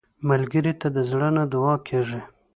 ملګری ته د زړه نه دعا کېږي